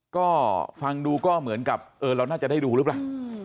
ก็ฟังดูก็เหมือนกับเออเราน่าจะได้ดูหรือเปล่า